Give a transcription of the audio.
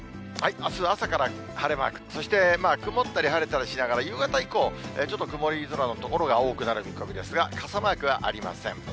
あす朝から晴れマーク、そして曇ったり晴れたりしながら、夕方以降、ちょっと曇り空の所が多くなる見込みですが、傘マークはありません。